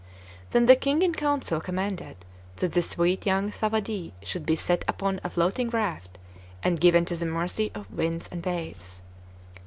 Then the King in council commanded that the sweet young Thawadee should be set upon a floating raft, and given to the mercy of winds and waves.